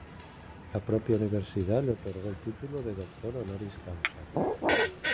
La propia universidad le otorgó el título de doctor honoris causa.